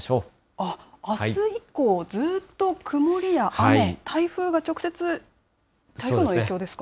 あっ、あす以降、ずっと曇りや雨、台風が直接、台風の影響ですか？